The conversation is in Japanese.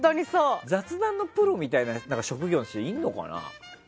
雑談のプロみたいな職業の人、いるのかな？